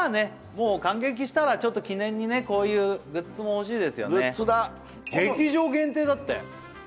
もう観劇したらちょっと記念にねこういうグッズも欲しいですよね